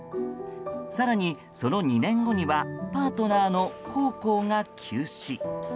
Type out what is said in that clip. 更に、その２年後にはパートナーのコウコウが急死。